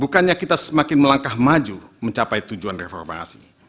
bukannya kita semakin melangkah maju mencapai tujuan reformasi